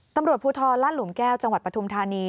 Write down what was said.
ตำรวจภูทรลาดหลุมแก้วจังหวัดปฐุมธานี